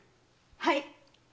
はい。